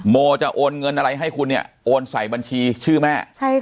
โมจะโอนเงินอะไรให้คุณเนี่ยโอนใส่บัญชีชื่อแม่